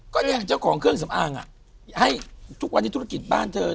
ก็เนี่ยเจ้าของเครื่องสำอางอ่ะให้ทุกวันนี้ธุรกิจบ้านเธอ